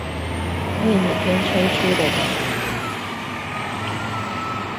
為明天抽出的塔羅牌